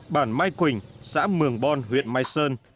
bản mai quỳnh xã mường bon huyện mai sơn